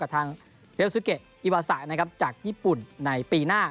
กับทางเรวสุเกศ์อิวาสักจากญี่ปุ่นในปีหน้า